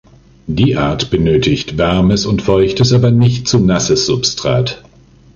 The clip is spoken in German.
Die Art benötigt warmes und feuchtes, aber nicht zu nasses Substrat.